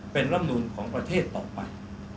เป็นรำนูนของประเทศต่อไป